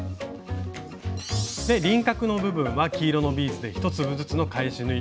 輪郭の部分は黄色のビーズで１粒ずつの返し縫い。